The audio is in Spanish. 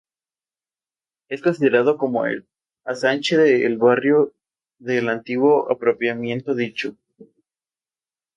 Es considerado como el ensanche del barrio de El Antiguo propiamente dicho.